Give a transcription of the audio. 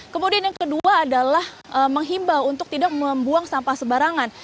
kemudian yang kedua adalah menghimbau untuk tidak membuang sampah sembarangan